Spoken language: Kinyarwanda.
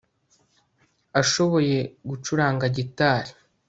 ashoboye gucuranga gitari